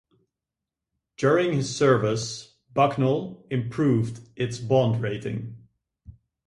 During his service, Bucknell improved its bond rating.